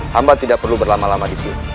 hamba tidak perlu berlama lama disini